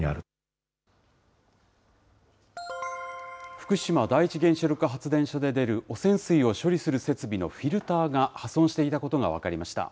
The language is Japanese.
福島第一原子力発電所で出る、汚染水を処理する設備のフィルターが破損していたことが分かりました。